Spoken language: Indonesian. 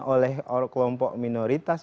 oleh kelompok minoritas